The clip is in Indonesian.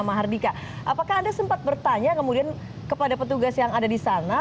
mahardika apakah anda sempat bertanya kemudian kepada petugas yang ada di sana